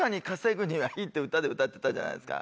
って歌で歌ってたじゃないですか。